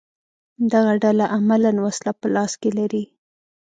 دغه ډله عملاً وسله په لاس کې لري